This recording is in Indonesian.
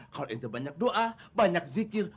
kalau itu banyak doa banyak zikir